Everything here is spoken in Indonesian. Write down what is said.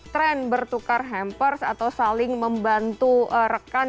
tren bertukar hampers atau saling membantu rekan